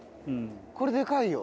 これでかいよ。